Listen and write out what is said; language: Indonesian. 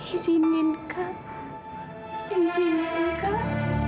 ijinin kak ijinin kak